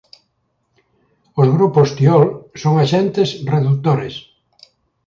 Os grupos tiol son axentes redutores.